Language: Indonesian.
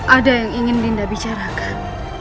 ada yang ingin dinda bicarakan